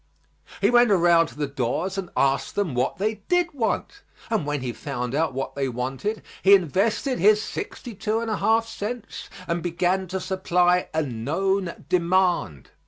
He went around to the doors and asked them what they did want, and when he found out what they wanted, he invested his sixty two and a half cents and began to supply "a known demand."